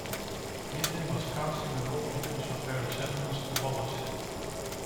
Giblin was cast in the role because of her resemblance to Wallace.